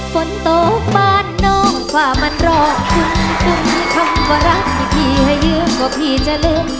ฝนโตบ้านน้องฝ่ามันร้องฟุ้นฟุ้นที่เขาว่ารักที่พี่ให้ยืมกว่าพี่จะลืม